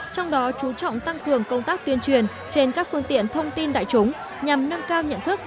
trong đó chú trọng tăng cường công tác tuyên truyền trên các phương tiện thông tin đại chúng nhằm nâng cao nhận thức